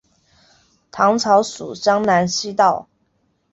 唐朝属江南西道。